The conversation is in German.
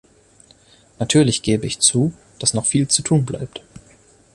Natürlich gebe ich zu, dass noch viel zu tun bleibt.